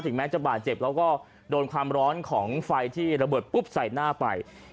แม้จะบาดเจ็บแล้วก็โดนความร้อนของไฟที่ระเบิดปุ๊บใส่หน้าไป